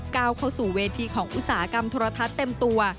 ก้าวเข้าสู่เวทีของอุตสาหกรรมโทรทัศน์เต็มตัว